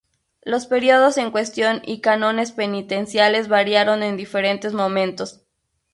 Los períodos en cuestión y cánones penitenciales variaron en diferentes momentos.